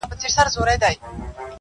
لږ ساړه خوره محتسبه څه دُره دُره ږغېږې